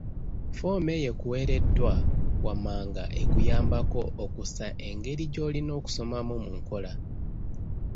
Ffoomu eyo ekuweereddwa wammanga ekuyambako okussa engeri gy'olina okusomamu mu nkola.